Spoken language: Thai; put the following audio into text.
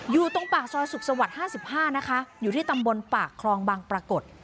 อยู่ตรงปากซอยสุขสวรรค์๕๕นะคะอยู่ที่ตำบลปากคลองบางปรากฏ